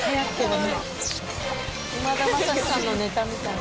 くまだまさしさんのネタみたい。